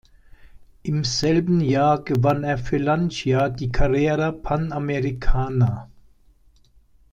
Im selben Jahr gewann er für Lancia die Carrera Panamericana.